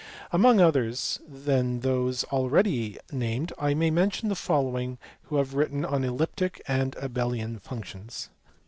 Among others than those already named I may mention the following who have written on Elliptic and Abelian functions.